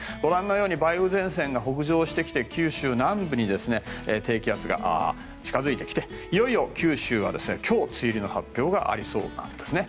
梅雨前線が北上してきて九州南部に低気圧が近づいてきていよいよ九州は今日、梅雨入りの発表がありそうなんですね。